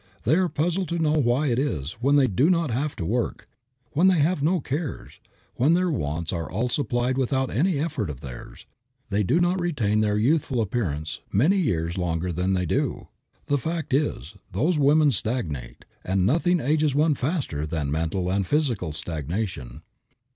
They are puzzled to know why it is when they do not have to work, when they have no cares, when their wants are all supplied without any effort of theirs, they do not retain their youthful appearance many years longer than they do. The fact is those women stagnate, and nothing ages one faster than mental and physical stagnation.